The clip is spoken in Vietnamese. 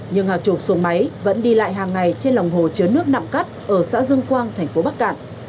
nhưng hạ trục xuồng máy vẫn đi lại hàng ngày trên lòng hồ chứa nước nặm cắt ở xã dương quang thành phố bắc cạn